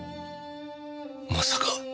まさか！